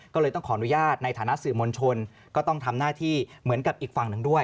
ก็เลยต้องขออนุญาตในฐานะสื่อมวลชนก็ต้องทำหน้าที่เหมือนกับอีกฝั่งหนึ่งด้วย